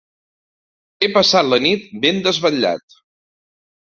He passat la nit ben desvetllat.